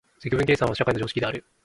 積分計算は社会の常識である。